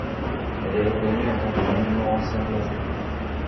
Elle est reconnue en tant que monument ancien classé.